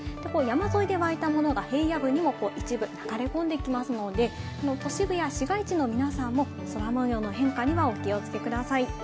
山沿いでわいたものが平野部にも一部、流れ込んできますので、都市部や市街地の皆さんも、空模様の変化にはお気をつけください。